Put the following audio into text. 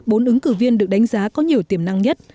bốn ứng cử viên được đánh giá có nhiều tiềm năng nhất